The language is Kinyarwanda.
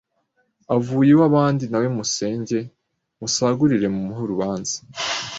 Avuye iw’abandi Na we musenge musagurire Mumuhe urubanza